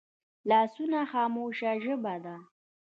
لاسونه خاموشه ژبه ده